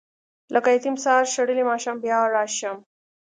لکه یتیم سهار شړلی ماښام بیا راشم.